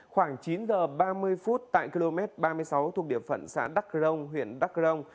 khoảng chín h ba mươi phút tại km ba mươi sáu thuộc địa phận xã đắc grong huyện đắc rông